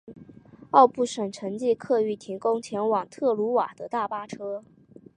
奥布省城际客运提供前往特鲁瓦的大巴车。